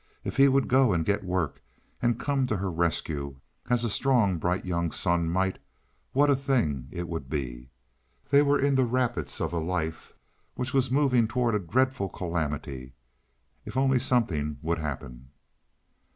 If he would go and get work, and come to her rescue, as a strong bright young son might, what a thing it would be! They were in the rapids of a life which was moving toward a dreadful calamity. If only something would happen.